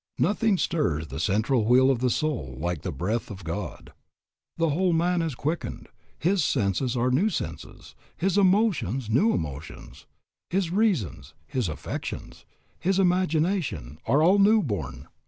Nothing stirs the central wheel of the soul like the Breath of God. The whole man is quickened, his senses are new senses, his emotions new emotions; his reason, his affections, his imagination, are all new born.